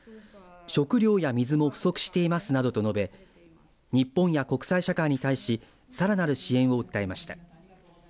食料や水も不足していますなどと述べ日本や国際社会に対しさらなる支援を訴えました。